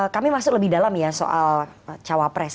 kami masuk lebih dalam ya soal cawapres